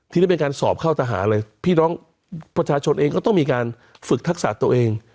ทีนี้เป็นการสอบเข้าทหารเลยพี่น้องประชาชนเองก็ต้องมีการฝึกทักษะตัวเอง